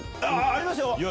ありますよ！